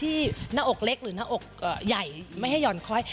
หน้าอกเล็กหรือหน้าอกใหญ่ไม่ให้หย่อนคอย